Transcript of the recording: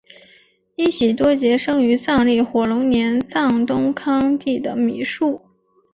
依喜多杰生于藏历火龙年藏东康地的米述。